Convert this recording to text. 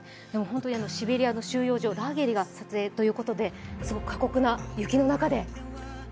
シベリアの収容所・ラーゲリが舞台ということですごく過酷な雪の中で。